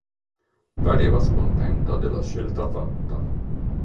Pareva scontenta della scelta fatta.